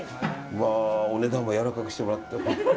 お値段もやわらかくしてもらって。